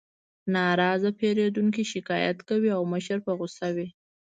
ناراضه پیرودونکي شکایت کوي او مشر په غوسه وي